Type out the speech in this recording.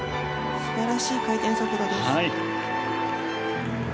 素晴らしい回転速度です。